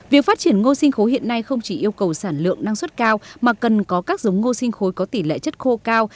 việc phát triển ngô sinh khối hiện nay không chỉ yêu cầu sản lượng năng suất cao mà cần có các giống ngô sinh khối có tỷ lệ chất khô cao